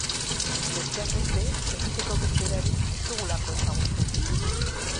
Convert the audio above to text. Besteak beste, egiteko beste erarik ez dugulako ezagutzen.